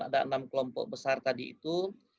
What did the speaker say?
ada enam kelompok besar tadi itu